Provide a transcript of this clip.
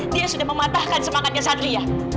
dia sudah mematahkan semangatnya satria